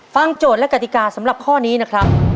โจทย์และกติกาสำหรับข้อนี้นะครับ